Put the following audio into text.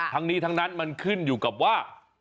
ทั้งนี้ทั้งนั้นมันขึ้นอยู่กับว่า